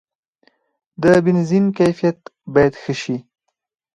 د بنزین کیفیت باید ښه شي.